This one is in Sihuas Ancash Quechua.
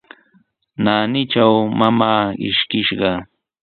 Naanitraw mamaa ishkishqa.